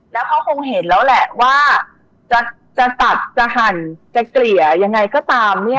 แล้วเขาคงเห็นแล้วแหละว่าจะตัดจะหั่นจะเกลี่ยยังไงก็ตามเนี่ย